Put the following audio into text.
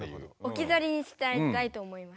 おきざりにしたいと思います。